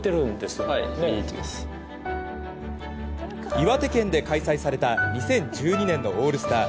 岩手県で開催された２０１２年のオールスター。